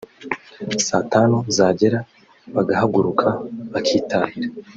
saa tanu zagera bagahaguruka bakitahira